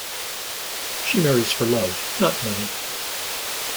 She marries for love, not money.